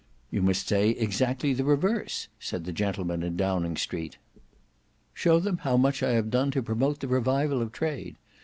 "You must say exactly the reverse," said the gentleman in Downing Street. "Show them how much I have done to promote the revival of trade.